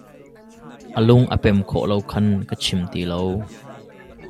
A lung a pem khawh lo khan ka chim ti lo.